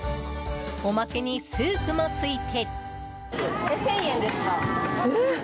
おまけにスープもついて。